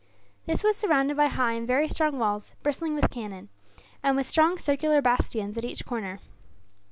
This was surrounded by high and very strong walls, bristling with cannon; and with strong circular bastions at each corner.